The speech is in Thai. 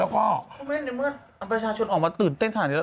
ก็มีชาวชนออกมาตื่นเต้นหน่อยแล้ว